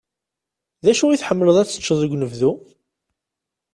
D acu i tḥemmleḍ ad t-teččeḍ deg unebdu?